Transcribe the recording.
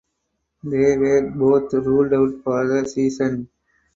They were both ruled out for the season.